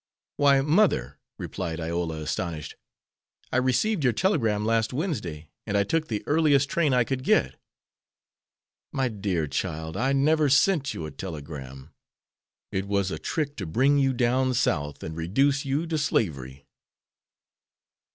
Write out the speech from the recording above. "Why, mother," replied Iola, astonished, "I received your telegram last Wednesday, and I took the earliest train I could get." "My dear child, I never sent you a telegram. It was a trick to bring you down South and reduce you to slavery."